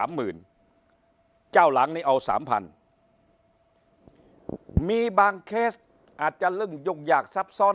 ๓หมื่นเจ้าหลังนี่เอา๓พันมีบางแคสอาจจะลึกยกยากซับซ้อน